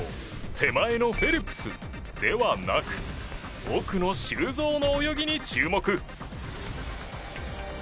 手前のフェルプスではなく奥の修造の泳ぎに注目。